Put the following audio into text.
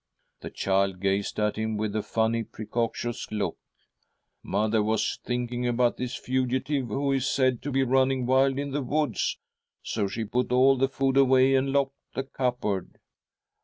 The child gazed at him with a funny precocious look. ' Mother was thinking about this fugitive who is said to be running wild in the woods, so she put all the food away and locked the cupboard.'